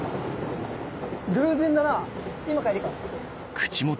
偶然だな今帰りか？